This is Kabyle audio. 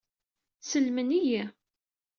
Sellmen-iyi.